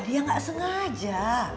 dia gak sengaja